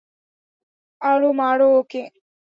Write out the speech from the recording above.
আরো মার ওকে!